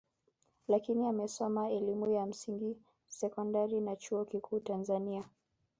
Lakini amesoma elimu ya msingi sekondari na chuo kikuu Tanzania